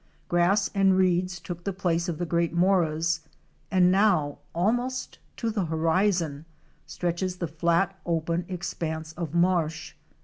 Grass and reeds took the place of the great moras, and now, almost to the horizon, stretches the flat, open expanse of marsh.